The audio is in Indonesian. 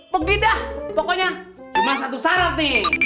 pergi dah pokoknya cuma satu syarat nih